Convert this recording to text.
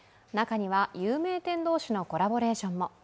中には有名店同士のコラボレーションも。